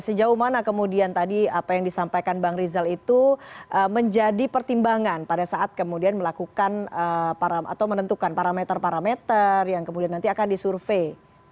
sejauh mana kemudian tadi apa yang disampaikan bang rizal itu menjadi pertimbangan pada saat kemudian melakukan atau menentukan parameter parameter yang kemudian nanti akan disurvey